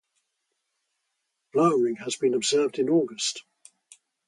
Flowering has been observed in August.